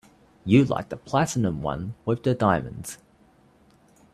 You liked the platinum one with the diamonds.